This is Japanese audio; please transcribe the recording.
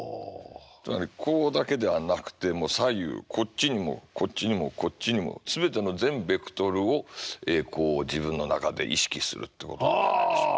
つまりこうだけではなくて左右こっちにもこっちにもこっちにも全ての全ベクトルをこう自分の中で意識するっていうことじゃないでしょうか。